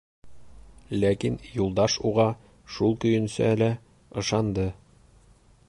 Ләкин Юлдаш уға шул көйөнсә лә ышанды.